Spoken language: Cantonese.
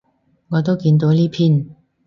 我都見到呢篇